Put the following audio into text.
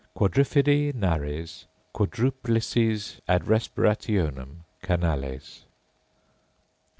Quadrifidæ nares, quadruplices ad respirationem canales.